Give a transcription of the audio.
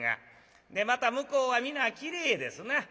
でまた向こうは皆きれいですな。